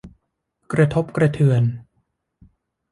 กระทบกระเทือน